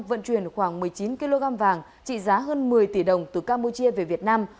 vận chuyển khoảng một mươi chín kg vàng trị giá hơn một mươi tỷ đồng từ campuchia về việt nam